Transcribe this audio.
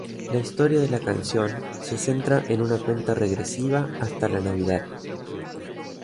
La historia de la canción se centra en una cuenta regresiva hasta la Navidad.